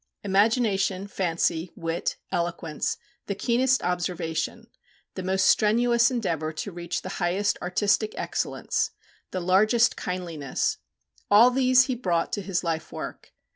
Imagination, fancy, wit, eloquence, the keenest observation, the most strenuous endeavour to reach the highest artistic excellence, the largest kindliness, all these he brought to his life work.